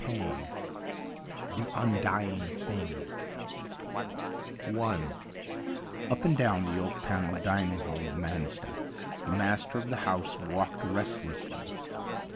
108 THE UNDYING THING I Up and down the oak panelled dining hall of Mansteth the master of the house walked restlessly.